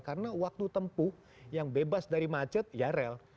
karena waktu tempuh yang bebas dari macet ya rel